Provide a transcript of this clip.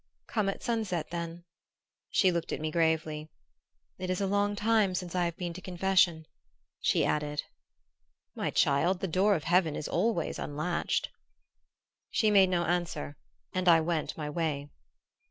"Come at sunset then." She looked at me gravely. "It is a long time since I have been to confession," she added. "My child, the door of heaven is always unlatched." She made no answer and I went my way.